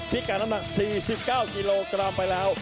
ที่การอำนาจ๔๙กิโลกรัมไปแล้ว